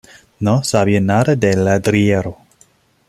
No sabían nada de Ladrillero.